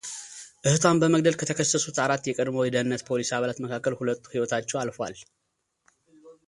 እህቷን በመግደል ከተከሰሱት አራት የቀድሞ የደኅንነት ፖሊስ አባላት መካከል ሁለቱ ሕይወታቸው አልፏል።